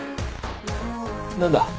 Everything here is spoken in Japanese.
何だ？